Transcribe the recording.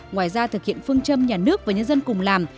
ngoài ra thực hiện phương châm nhà nước và nhân dân cùng làm